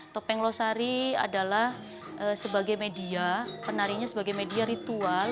topeng losari adalah sebagai media penarinya sebagai media ritual